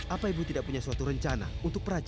apa ibu tidak punya suatu rencana untuk perajin